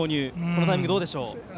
このタイミング、どうでしょう？